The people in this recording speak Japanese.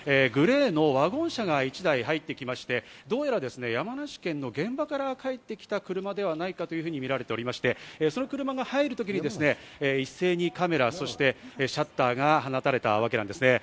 先ほどグレーのワゴン車が１台入ってきまして、どうやら山梨県の現場から帰ってきた車ではないかと見られており、その車が入るときに一斉にシャッターが放たれたわけです。